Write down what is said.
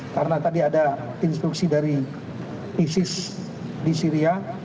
karena tadi ada instruksi dari isis di syria